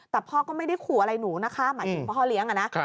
แต่พ่อก็ไม่ได้ขู่อะไรหนูนะคะหมายถึงพ่อเลี้ยงอะนะ